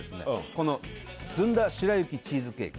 このずんだ白雪チーズケーキ